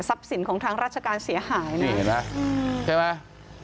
ทรัพย์สินของทางราชการเสียหายนะใช่เห็นมั้ยใช่ไหม